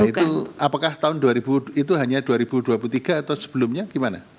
itu apakah tahun dua ribu itu hanya dua ribu dua puluh tiga atau sebelumnya gimana